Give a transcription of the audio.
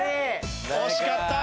惜しかった！